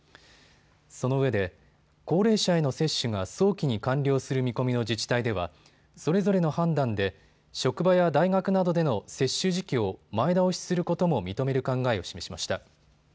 そのうえで高齢者への接種が早期に完了する見込みの自治体ではそれぞれの判断で職場や大学などでの接種時期を前倒しすることも認める考えを示しました。